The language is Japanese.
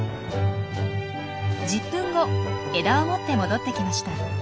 １０分後枝を持って戻って来ました。